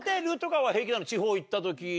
地方行った時に。